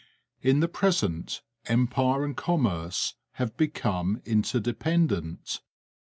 In the present, empire and commerce have become interdependent.